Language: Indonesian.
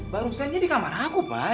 baru sayangnya di kamar aku pak